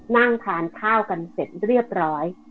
นั่งทานข้าวกันเสร็จเรียบร้อย